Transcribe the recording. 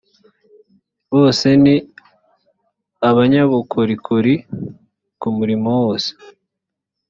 bose ni abanyabukorikori ku murimo wose